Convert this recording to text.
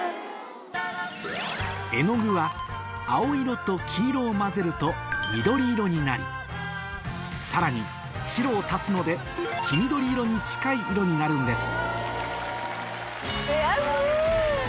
絵の具は青色と黄色を混ぜると緑色になりさらに白を足すので黄緑色に近い色になるんです